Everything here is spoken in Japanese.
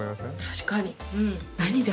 確かに。